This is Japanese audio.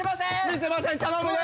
見せません頼むね